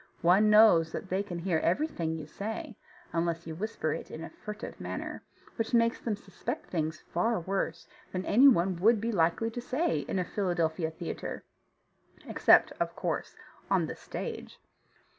One knows that they can hear everything you say, unless you whisper it in a furtive manner, which makes them suspect things far worse than any one would be likely to say in a Philadelphia theatre, except, of course, on the stage.